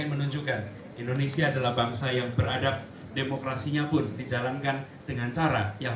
menunjukkan indonesia adalah bangsa yang beradab demokrasinya pun dijalankan dengan cara yang